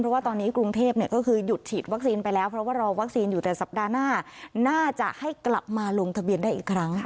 เพราะว่าตอนนี้กรุงเทพก็คือหยุดฉีดวัคซีนไปแล้วเพราะว่ารอวัคซีนอยู่แต่สัปดาห์หน้าน่าจะให้กลับมาลงทะเบียนได้อีกครั้งค่ะ